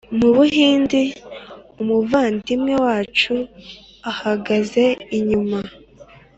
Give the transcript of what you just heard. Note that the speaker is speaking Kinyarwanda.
Mu Buhindi Umuvandimwe wacu ahagaze inyuma